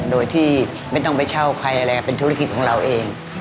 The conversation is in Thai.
โดยที่ไม่ต้องไปเช่าใครอะไรเป็นธุรกิจของเราเอง